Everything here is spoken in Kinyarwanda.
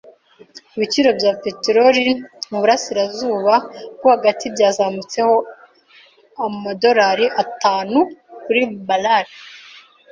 Ibiciro bya peteroli yo mu burasirazuba bwo hagati byazamutseho amadorari atanu kuri barrale.